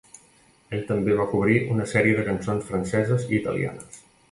Ell també va cobrir una sèrie de cançons franceses i italianes.